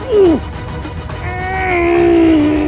aku tidak boleh mati disini